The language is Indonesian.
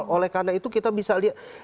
oleh karena itu kita bisa lihat